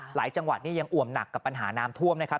จังหวัดนี่ยังอ่วมหนักกับปัญหาน้ำท่วมนะครับ